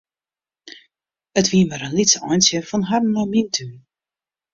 It wie mar in lyts eintsje fan harren nei myn tún.